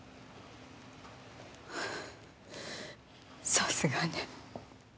さすがね。